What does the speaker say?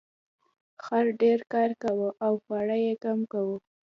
خر ډیر کار کاوه خو خواړه یې کم وو.